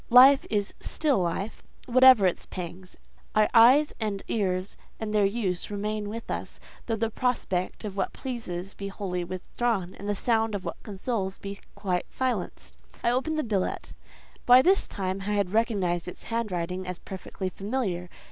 Life is still life, whatever its pangs: our eyes and ears and their use remain with us, though the prospect of what pleases be wholly withdrawn, and the sound of what consoles be quite silenced. I opened the billet: by this time I had recognised its handwriting as perfectly familiar.